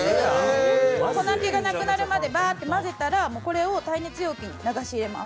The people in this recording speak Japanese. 粉気がなくなるまで混ぜたらこれを耐熱容器に流し入れます。